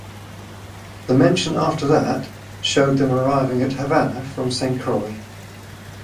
The mention after that showed them arriving at Havana from St Croix.